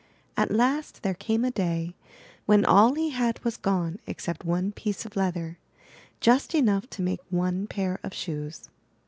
At last there came a day when all he had was gone except one piece of leather — ^just enough to make one pair of shoes.